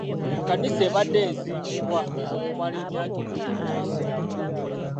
Ekkanisa ebadde ezimbibwa okumala emyaka ebiri egiyise.